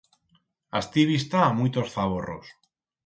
Asti bi'stá muitos zaborros.